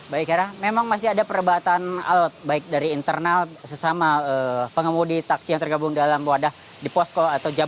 baik hera memang masih ada perebatan alat baik dari internal sesama pengemudi taksi yang tergabung dalam wadah di posko atau jalan